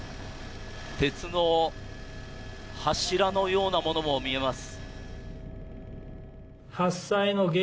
鉄の柱のようなものも見えます。